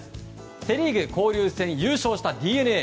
セ・リーグ、交流戦優勝したＤｅＮＡ